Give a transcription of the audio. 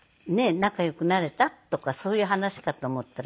仲良くなれた？とかそういう話かと思ったら。